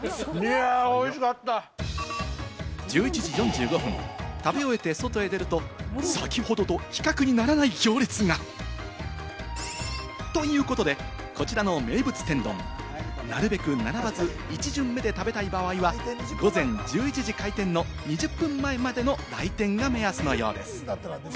１１時４５分、食べ終えて外へ出ると、先ほどと比較にならない行列が！ということで、こちらの名物天丼、なるべく並ばず、１巡目で食べたい場合は午前１１時開店の２０分前までの来店が目安のようです。